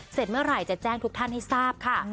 เสร็จเมื่อไหร่จะแจ้งทุกท่านให้ทราบค่ะ